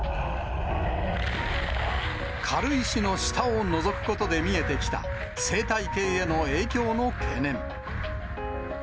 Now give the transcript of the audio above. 軽石の下をのぞくことで見えてきた、生態系への影響の懸念。